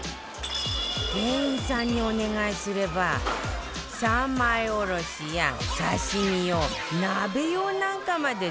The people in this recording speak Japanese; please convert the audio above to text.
店員さんにお願いすれば３枚おろしや刺身用鍋用なんかまで